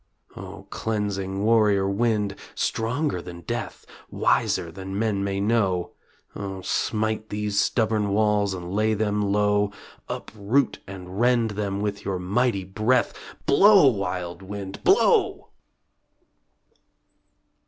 O cleansing warrior wind, stronger than death, Wiser than men may know; O smite these stubborn walls and lay them low, Uproot and rend them with your mighty breath Blow, wild wind, blow!